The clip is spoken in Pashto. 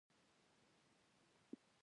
• د پښتو نومونو مانا باید وپیژندل شي.